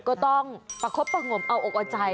ก็ต้องประคบประงมเอาอกเอาใจ